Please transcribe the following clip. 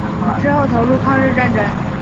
之后投入抗日战争。